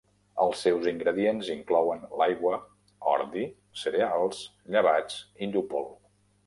Els seus ingredients inclouen l'aigua, ordi, cereals, llevats, i llúpol.